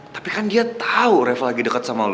tapi kan dia tau refah lagi deket sama lo